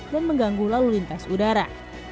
dan mengganggu lalu lintas udara